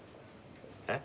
えっ？